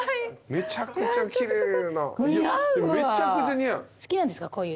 めちゃくちゃ似合う。